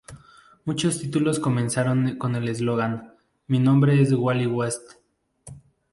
Muchos títulos comenzaron con el eslogan: "Mi nombre es Wally West.